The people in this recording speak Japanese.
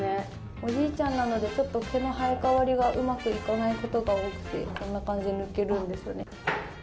おじいちゃんなのでちょっと毛の生え替わりがうまくいかない事が多くてこんな感じで抜けるんですよね。